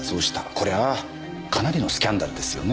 これはかなりのスキャンダルですよね。